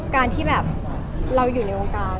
การที่แบบเราอยู่ในวงการ